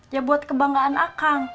ya buat kebanggaan akang